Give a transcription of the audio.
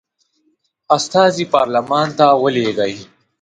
استازي پارلمان ته ولیږي.